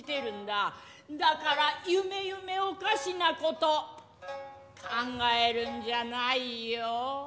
だからゆめゆめおかしなこと考えるんじゃないよ！